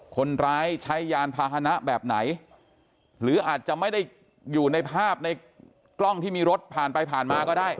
คนร้ายใช้ยานพาหนะแบบไหนหรืออาจจะไม่ได้อยู่ในภาพในกล้องที่มีรถผ่านไปผ่านมาก็ได้